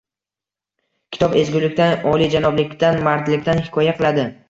Kitob ezgulikdan, oliyjanoblikdan, mardlikdan hikoya qiladi.